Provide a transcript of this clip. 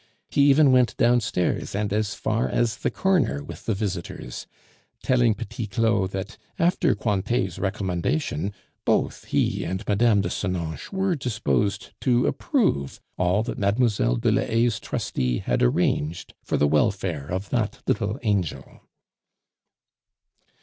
He even went downstairs and as far as the corner with the visitors, telling Petit Claud that after Cointet's recommendation, both he and Mme. de Senonches were disposed to approve all that Mlle. de la Haye's trustee had arranged for the welfare of that little angel.